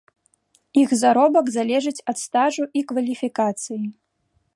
Іх заробак залежыць ад стажу і кваліфікацыі.